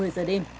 một mươi giờ đêm